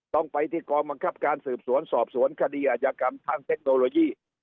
ต้องไปที่กองบังคับการสืบสวนสอบสวนคดีอาจยากรรมทางเทคโนโลยี